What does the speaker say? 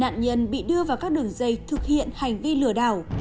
mà thực chất nạn nhân bị đưa vào các đường dây thực hiện hành vi lừa đảo